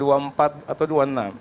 dua puluh empat atau dua puluh enam